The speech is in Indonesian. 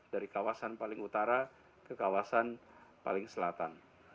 dari kawasan paling utara ke kawasan paling selatan